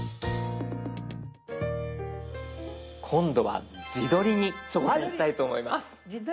今度は「自撮り」に挑戦したいと思います。